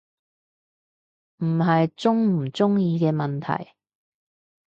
唔係鍾唔鍾意嘅問題